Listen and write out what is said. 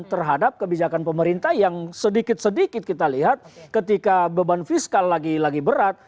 terhadap kebijakan pemerintah yang sedikit sedikit kita lihat ketika beban fiskal lagi lagi berat